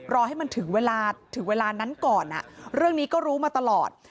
รอให้มันถึงเวลาถึงเวลานั้นก่อนเรื่องนี้ก็รู้มาตลอด